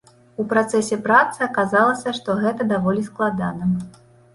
У працэсе працы аказалася, што гэта даволі складана.